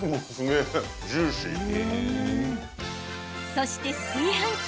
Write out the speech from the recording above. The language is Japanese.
そして、炊飯器。